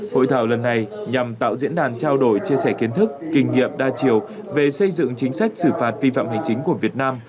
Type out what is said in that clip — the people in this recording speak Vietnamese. hội thảo lần này nhằm tạo diễn đàn trao đổi chia sẻ kiến thức kinh nghiệm đa chiều về xây dựng chính sách xử phạt vi phạm hành chính của việt nam